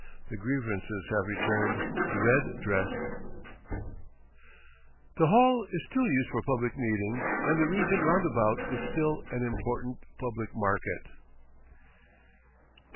The grievances have returned red dressed." The Hall is still used for public meetings, and the region roundabout is still an important public market.